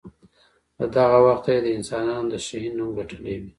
له دغه وخته یې د انسانانو د شهین نوم ګټلی وي.